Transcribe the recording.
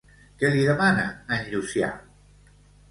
Què li demana en Llucià?